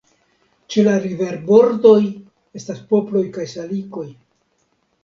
Ĉe la riverbordoj estas poploj kaj salikoj.